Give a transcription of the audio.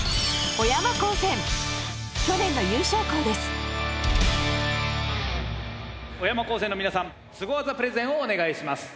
小山高専の皆さんすご技プレゼンをお願いします。